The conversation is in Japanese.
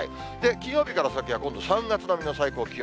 金曜日から先は今度３月並みの最高気温。